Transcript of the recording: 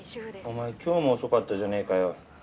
お前今日も遅かったじゃねえかよ。